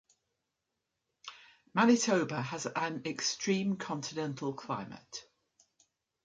Manitoba has an extreme continental climate.